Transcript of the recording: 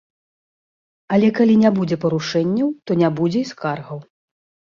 Але калі не будзе парушэнняў, то не будзе і скаргаў.